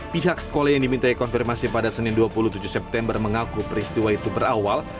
pihak sekolah yang dimintai konfirmasi pada senin dua puluh tujuh september mengaku peristiwa itu berawal